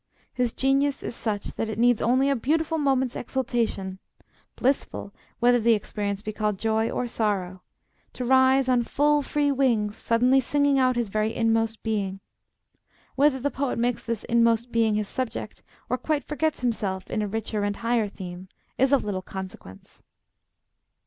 His genius is such that it needs only a beautiful moment's exaltation (blissful, whether the experience be called joy or sorrow) to rise on full, free wings, suddenly singing out his very inmost being. Whether the poet makes this inmost being his subject, or quite forgets himself in a richer and higher theme, is of little consequence.